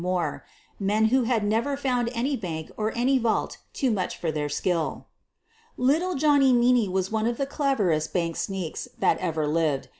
Moore — men who had never found any bank or any vault too much for their skill. Little Johnny Meaney was one of the cleverest l ' bank sneaks '' that ever lived.